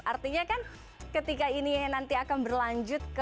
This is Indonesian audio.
artinya kan ketika ini nanti akan berlanjut ke